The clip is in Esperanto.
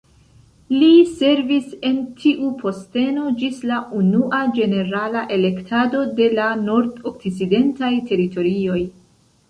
Li servis en tiu posteno ĝis la Unua ĝenerala elektado de la Nordokcidentaj Teritorioj.